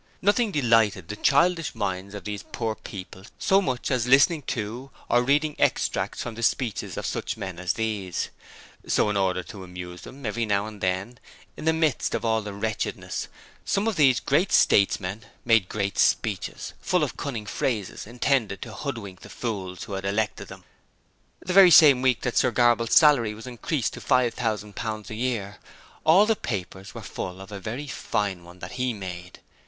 Nothing delighted the childish minds of these poor people so much as listening to or reading extracts from the speeches of such men as these; so in order to amuse them, every now and then, in the midst of all the wretchedness, some of the great statesmen made 'great speeches' full of cunning phrases intended to hoodwink the fools who had elected them. The very same week that Sir Graball's salary was increased to £5,000 a year, all the papers were full of a very fine one that he made.